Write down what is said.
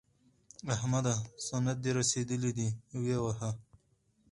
احمده! سنت دې رسېدلي دي؛ ویې وهه.